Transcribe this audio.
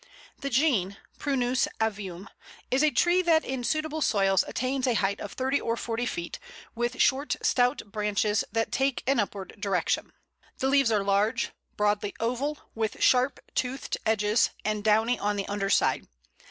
[Illustration: Gean. A, fruit; B, flower.] The Gean (Prunus avium) is a tree that in suitable soils attains a height of thirty or forty feet, with short, stout branches, that take an upward direction. The leaves are large, broadly oval, with sharp toothed edges, and downy on the underside.